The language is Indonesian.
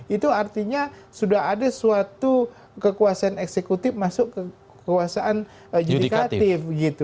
itu artinya sudah ada suatu kekuasaan eksekutif masuk kekuasaan judikatif